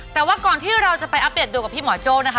แต่ว่าก่อนที่เราจะไปอัปเดตดูกับพี่หมอโจ้นะคะ